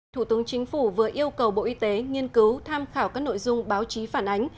thủ tướng chính phủ vừa yêu cầu bộ y tế nghiên cứu tham khảo các nội dung báo chí phản ánh